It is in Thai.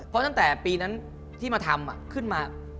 เพราะตั้งแต่ปีนั้นที่มาทำขึ้นมา